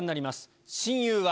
「親友は」